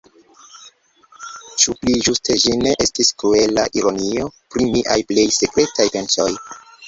Ĉu pli ĝuste ĝi ne estis kruela ironio pri miaj plej sekretaj pensoj?